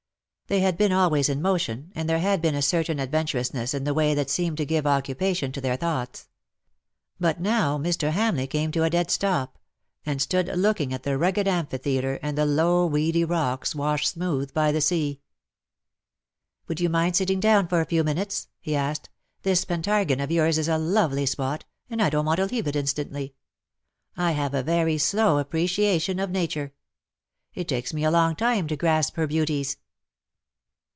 They had been always in motion, and there had been a certain adventurous ness in the way that seemed to give occupation to their thoughts. But now Mr. Hamleigh came to a dead stop, and stood looking at the rugged amphi FROM WINTRY COLD." 117 theatre^ and the low weedy rocks washed smooth by the sea. " Would you mind sitting down for a few minutes V^ he asked ;" this Pentargon of yours is a lovely spot,, and I don^t want to leave it instantly. I have a very slow appreciation of Nature. It takes me a long time to grasp her beauties."